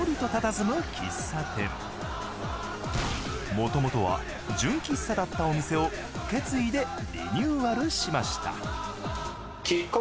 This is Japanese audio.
もともとは純喫茶だったお店を受け継いでリニューアルしました。